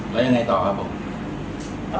แล้วยังไงต่อครับผม